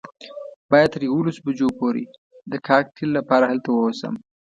باید تر یوولسو بجو پورې د کاکټیل لپاره هلته ووسم.